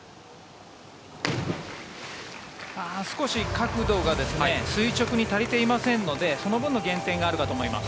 少し角度が垂直に足りていませんのでその分の減点があるかと思います。